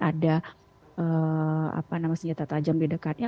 ada apa nama senjata tajam di dekatnya